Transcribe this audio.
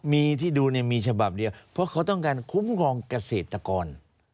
มีที่ดูมีฉบับเดียวเพราะเขาต้องการคุ้มครองเกษตรกร